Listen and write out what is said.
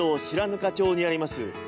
白糠町にあります